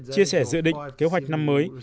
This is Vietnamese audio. chia sẻ dự định kế hoạch năm mới